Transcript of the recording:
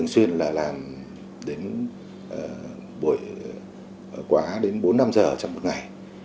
đến buổi quả đến bốn năm giờ trong một ngày